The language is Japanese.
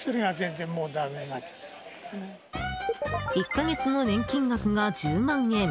１か月の年金額が１０万円。